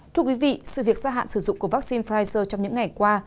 thưa quý vị sự việc gia hạn sử dụng của vắc xin pfizer trong những ngày qua